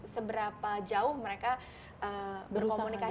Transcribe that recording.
seberapa jauh mereka berkomunikasi